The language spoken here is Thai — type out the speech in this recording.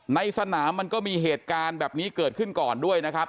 ในสนามมันก็มีเหตุการณ์แบบนี้เกิดขึ้นก่อนด้วยนะครับ